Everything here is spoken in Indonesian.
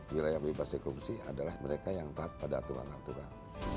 wilayah bebas ekonomi adalah mereka yang taat pada aturan aturan